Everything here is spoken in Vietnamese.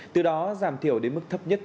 từ đó giảm thiểu đến mức thấp nhất